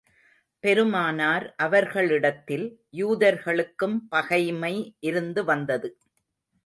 பெருமானார் அவர்களிடத்தில், யூதர்களுக்கும் பகைமை இருந்து வந்தது.